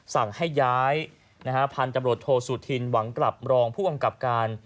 สั่งให้ย้ายพันธุ์ตำรวจโทษสุธินหวังกลับรองผู้กำกับการ